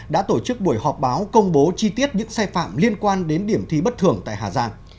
đã tổ chức buổi họp báo công bố chi tiết những sai phạm liên quan đến điểm thi bất thường tại hà giang